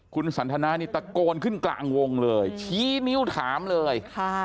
คุณสันทนานี่ตะโกนขึ้นกลางวงเลยชี้นิ้วถามเลย